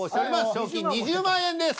賞金２０万円です。